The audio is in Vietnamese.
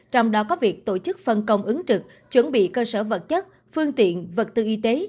trong đó có việc tổ chức phân công ứng trực chuẩn bị cơ sở vật chất phương tiện vật tư y tế